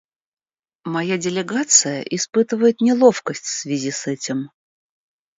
Моя делегация испытывает неловкость в связи с этим.